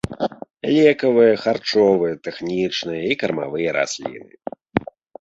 Лекавыя, харчовыя, тэхнічныя і кармавыя расліны.